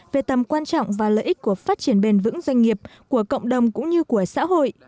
về tầm quan trọng và lợi ích của phát triển bền vững doanh nghiệp của cộng đồng cũng như của xã hội